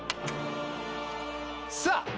さあ。